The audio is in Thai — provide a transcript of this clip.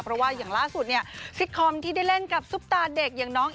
เพราะว่าอย่างล่าสุดเนี่ยซิกคอมที่ได้เล่นกับซุปตาเด็กอย่างน้อง